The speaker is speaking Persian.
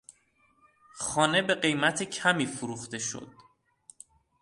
خانه به قیمت کمی فروخته شد.